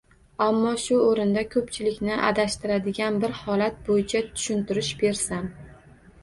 Ammo shu o‘rinda ko‘pchilikni adashtiradigan bir holat bo‘yicha tushuntirish bersam.